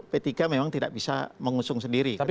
p tiga memang tidak bisa mengusung sendiri